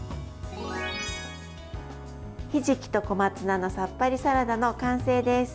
ひじきと小松菜のさっぱりサラダの完成です。